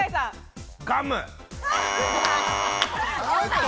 ガム。